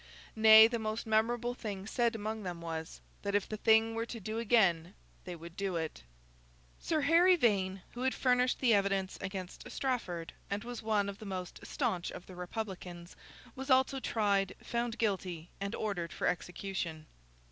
Nay, the most memorable thing said among them was, that if the thing were to do again they would do it. Sir Harry Vane, who had furnished the evidence against Strafford, and was one of the most staunch of the Republicans, was also tried, found guilty, and ordered for execution.